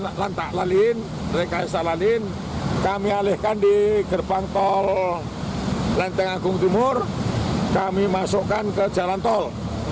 ketika rekayasa lalu lintas kami alihkan di gerbang tol lenteng agung timur kami masukkan ke jalan tol